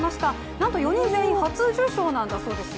なんと４人全員初受賞なんだそうですよ。